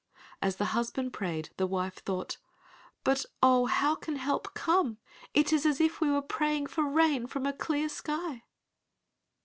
As the husband prayed, the wife thought, "but, oh, how can help come. _It is as if we were praying for rain from a clear sky.